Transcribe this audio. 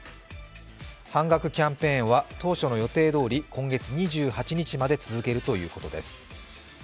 半額キャンペーンは当初の予定どおり今月２８日まで続けるということです。